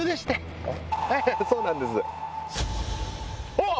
あっ！